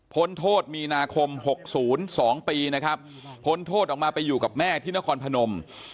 โทษมีนาคม๖๐๒ปีนะครับพ้นโทษออกมาไปอยู่กับแม่ที่นครพนม